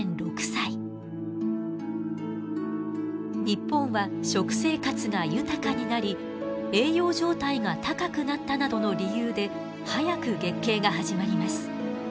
日本は食生活が豊かになり栄養状態が高くなったなどの理由で早く月経が始まります。